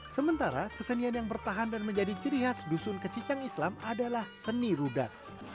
sementara kesenian yang bertahan dan menjadi ciri khas dusun kecicang islam adalah seni rudat